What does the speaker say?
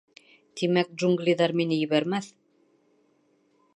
— Тимәк, джунглиҙар мине ебәрмәҫ?